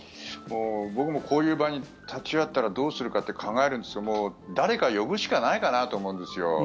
僕もこういう場に立ち会ったらどうするかって考えるんですけども誰か呼ぶしかないかなと思うんですよ。